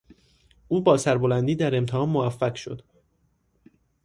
او با سربلندی در امتحان موفق شد.